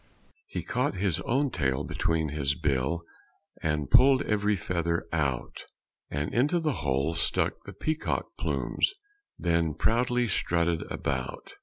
He caught his own tail between his bill, And pulled every feather out; And into the holes stuck the peacock plumes; Then proudly strutted about.